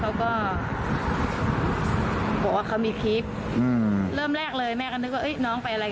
เราก็พยายามหาว่าเราจะหาใครที่